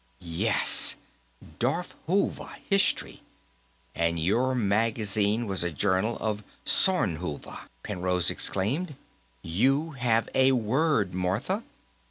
"Yes! Darfhulva History! And your magazine was a journal of Sornhulva!" Penrose exclaimed. "You have a word, Martha!"